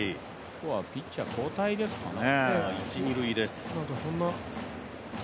ピッチャー交代ですかね？